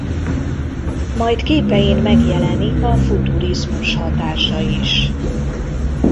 Majd képein megjelenik a futurizmus hatása is.